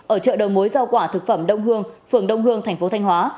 ở chợ đầu mối giao quả thực phẩm đông hương phường đông hương thành phố thanh hóa